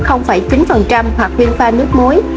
hoặc viên pha nước muối